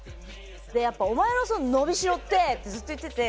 で、やっぱお前の伸びしろってってずっと言ってて。